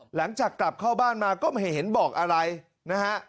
หลังจากกลับเข้าบ้านมาก็ไม่เห็นบอกอะไรนะฮะ